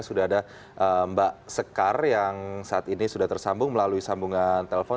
sudah ada mbak sekar yang saat ini sudah tersambung melalui sambungan telepon